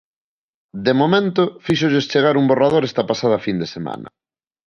De momento, fíxolles chegar un borrador esta pasada fin de semana.